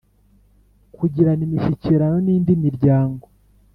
Kugirana imishyikirano n indi miryango